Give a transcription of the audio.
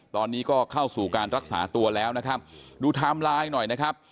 ตอนนี้ก็เข้าสู่การรักษาตัวแล้วนะครับดูไทม์ไลน์หน่อยนะครับ